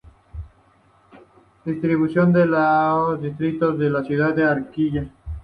Distribución de los distritos de la ciudad de Arequipa